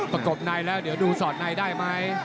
ประกบในแล้วเดี๋ยวดูสอดในได้ไหม